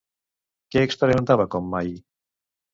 Què experimentava com mai?